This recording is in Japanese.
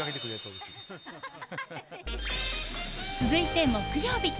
続いて木曜日。